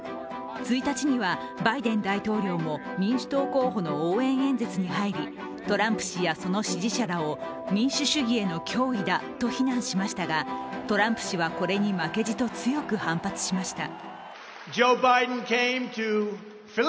１日にはバイデン大統領も民主党候補の応援演説に入りトランプ氏はその支持者らを民主主義への脅威だと非難しましたがトランプ氏はこれに負けじと強く反発しました。